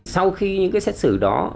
sau khi những xét xử đó